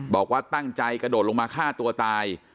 บอกว่าตั้งใจกระโดดลงมาฆ่าตัวตาย